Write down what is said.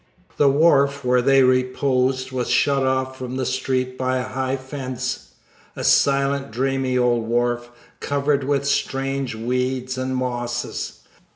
The wharf where they reposed was shut off from the street by a high fence a silent dreamy old wharf, covered with strange weeds and mosses.